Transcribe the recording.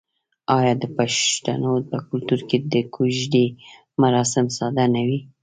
آیا د پښتنو په کلتور کې د کوژدې مراسم ساده نه وي؟